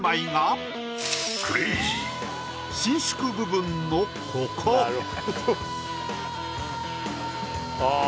伸縮部分のここああ